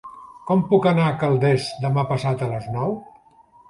Com puc anar a Calders demà passat a les nou?